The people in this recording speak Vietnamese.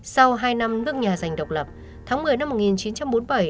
sau hai năm nước nhà giành độc lập tháng một mươi năm một nghìn chín trăm bốn mươi bảy